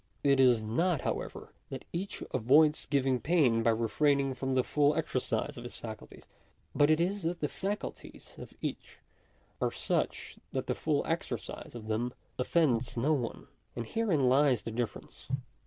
It is not, however, that each avoids giving pain by refraining from the full exer cise of his faculties ; but it is that the faculties of each are such that the full exercise of them offends no one. And herein lies the difference.